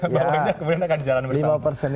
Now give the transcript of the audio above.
balonnya kemudian akan jalan bersama